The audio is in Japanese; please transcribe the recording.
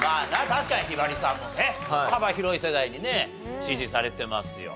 確かにひばりさんもね幅広い世代にね支持されてますよ。